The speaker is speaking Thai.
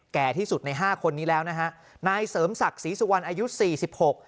แก่ที่สุดในห้าคนนี้แล้วนะฮะนายเสริมศักดิ์ศรีสุวรรณอายุสี่สิบหก